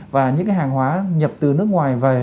và những hàng hóa nhập từ nước ngoài về